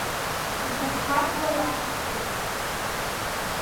Иԥаҟьԥаҟьуа иааҭахеит.